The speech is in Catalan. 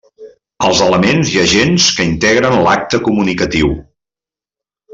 Els elements i agents que integren l'acte comunicatiu.